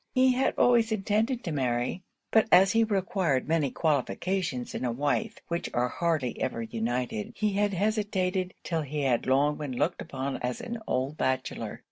He had always intended to marry: but as he required many qualifications in a wife which are hardly ever united, he had hesitated till he had long been looked upon as an old bachelor.